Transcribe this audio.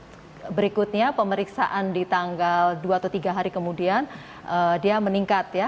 kemudian berikutnya pemeriksaan di tanggal dua atau tiga hari kemudian dia meningkat ya